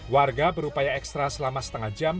warga berupaya ekstra selama setengah jam